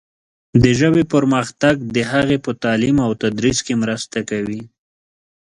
د ژبې پرمختګ د هغې په تعلیم او تدریس کې مرسته کوي.